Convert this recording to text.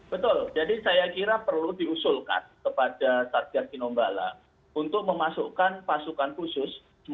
betul jadi saya kira perlu diusulkan kepada satgas tinombala untuk memasukkan pasukan khusus